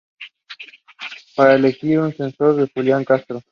Para elegir al sucesor de Julián Castro.